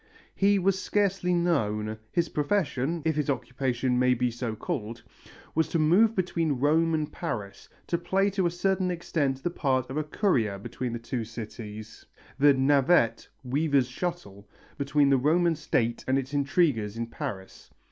He was scarcely known. His profession if his occupation may be so called was to move between Rome and Paris, to play to a certain extent the part of a courier between the two cities, the navette (weaver's shuttle) between the Roman State and its intriguers in Paris.